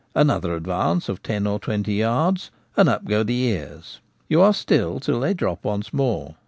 Another advance of ten or twenty yards, and up go the ears — you are still till they drop once more.